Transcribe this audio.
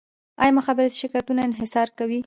آیا مخابراتي شرکتونه انحصار کوي؟